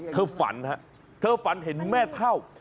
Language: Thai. ฝันฮะเธอฝันเห็นแม่เท่า